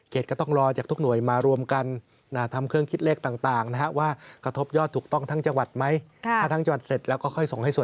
ก็เป็นวันก็จะเสร็จ